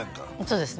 そうです